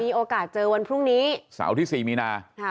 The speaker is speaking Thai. มีโอกาสเจอวันพรุ่งนี้เสาร์ที่สี่มีนาอ่า